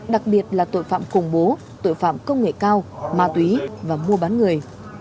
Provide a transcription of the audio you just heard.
đặc biệt là tội phạm khủng bố tội phạm công nghệ cao ma túy và mua bán người